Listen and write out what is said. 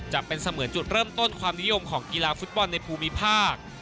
จะเป็นเสมือนจุดเริ่มต้นของฟุตบอลในภูมิภาค